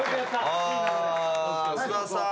菅田さん